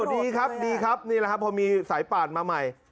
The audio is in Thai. เยี่ยมนี่คับพอมีสายป่านมาใหม่